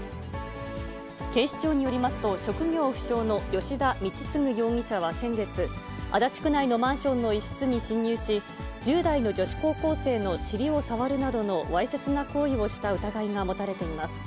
警視庁によりますと、職業不詳の吉田道次容疑者は先月、足立区内のマンションの一室に侵入し、１０代の女子高校生の尻を触るなどのわいせつな行為をした疑いが持たれています。